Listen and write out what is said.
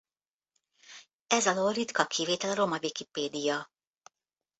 Ez alól ritka kivétel a roma wikipedia.